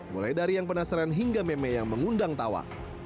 mulai dari yang penasaran hingga meme yang mengundang tawa